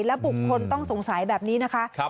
และบุคคลต้องสงสัยแบบนี้นะคะ